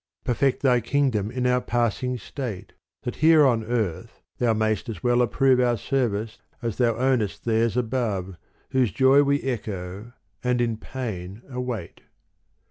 Perfect Thy kingdom in our passing state, That here on earth Thou mayst as well approve Our service as Thou ownest theirs above Whose joy we echo and in pain await.